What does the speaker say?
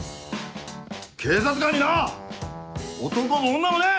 警察官にな男も女もねえ！